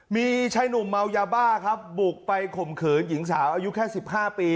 มีชายหนุ่มเมายาบ้าครับบุกไปข่มขืนหญิงสาวอายุแค่๑๕ปี